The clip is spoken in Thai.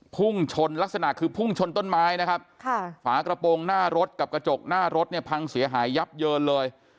พุ่งชนลักษณะคือพุ่งชนต้นไม้นะครับค่ะฝากระโปรงหน้ารถกับกระจกหน้ารถเนี่ยพังเสียหายยับเยินเลย